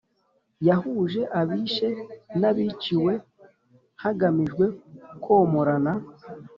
Yahuje abishe n abiciwe hagamijwe komorana